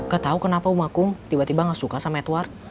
gak tau kenapa umah kum tiba tiba gak suka sama edward